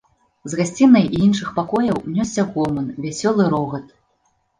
З гасцінай і іншых пакояў нёсся гоман, вясёлы рогат.